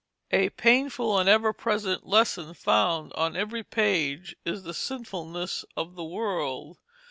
A painful and ever present lesson found on every page is the sinfulness of the world.